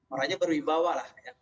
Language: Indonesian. orangnya berwibawa lah ya